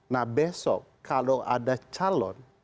nah besok kalau ada calon